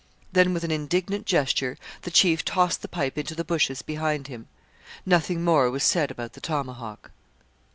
Then with an indignant gesture the chief tossed the pipe into the bushes behind him. Nothing more was said about the tomahawk.